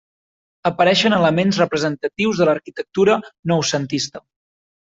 Apareixen elements representatius de l'arquitectura noucentista.